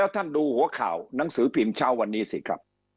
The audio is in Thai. ท่านดูหัวข่าวหนังสือพิมพ์เช้าวันนี้สิครับ